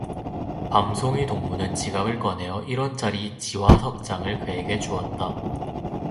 밤송이 동무는 지갑을 꺼내어 일원 짜리 지화 석 장을 그에게 주었다.